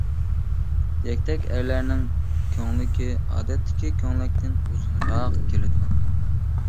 يەكتەك-ئەرلەرنىڭ كۆڭلىكى، ئادەتتىكى كۆڭلەكتىن ئۇزۇنراق كېلىدۇ.